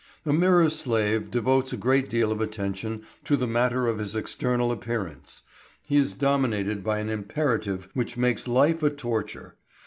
A mirror slave devotes a great deal of attention to the matter of his external appearance. He is dominated by an imperative which makes life a torture.